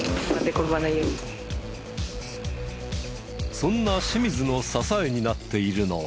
そんな清水の支えになっているのは。